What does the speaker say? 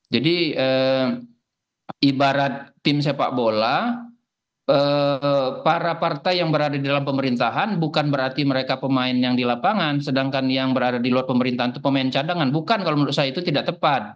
ibarat tim sepak bola para partai yang berada di dalam pemerintahan bukan berarti mereka pemain yang di lapangan sedangkan yang berada di luar pemerintahan itu pemain cadangan bukan kalau menurut saya itu tidak tepat